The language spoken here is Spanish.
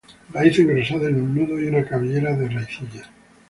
Raíz engrosada en un nudo y una cabellera de raicillas.